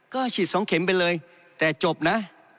ก็ฉีด๒เข็มไปเลยแต่จบนะ